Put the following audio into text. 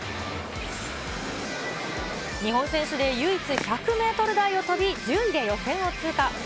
日本選手で唯一、１００メートル台を飛び、１０位で予選を通過。